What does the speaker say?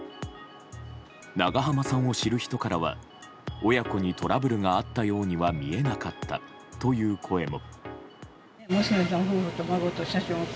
長濱さんを知る人からは親子にトラブルがあったようには見えなかったという声も。